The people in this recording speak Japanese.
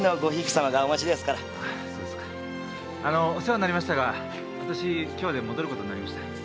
あのお世話になりましたが私今日で戻る事になりました。